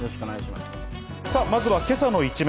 まずは今朝の一面。